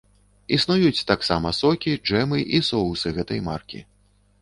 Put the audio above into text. Існуюць таксама сокі, джэмы і соусы гэтай маркі.